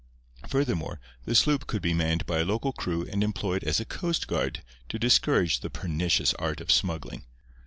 Furthermore, the sloop could be manned by a loyal crew and employed as a coast guard to discourage the pernicious art of smuggling.